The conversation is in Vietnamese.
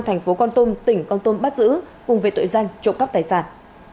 thành phố con tôm tỉnh con tôm bắt giữ cùng về tội danh trộm cắp tài sản